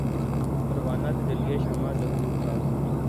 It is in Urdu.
پروانۂ تجلی شمع ظہور تھا